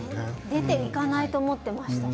出ていかないと思ってました。